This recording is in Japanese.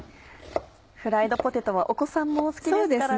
フライドポテトはお子さんも好きですからね。